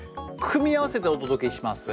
組み合わせてお届けします。